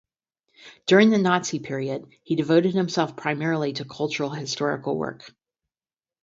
During the Nazi period, he devoted himself primarily to cultural-historical work.